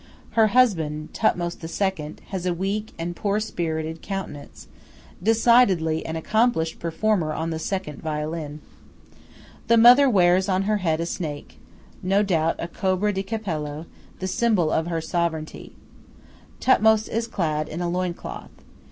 Her husband, Thothmes II., has a weak and poor spirited countenance decidedly an accomplished performer on the second violin. The mother wears on her head a snake, no doubt a cobra di capello, the symbol of her sovereignty. Thothmes is clad in a loin cloth.